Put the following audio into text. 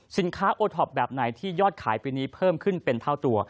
โอท็อปแบบไหนที่ยอดขายปีนี้เพิ่มขึ้นเป็นเท่าตัว